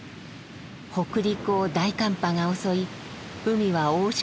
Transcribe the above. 北陸を大寒波が襲い海は大時化となりました。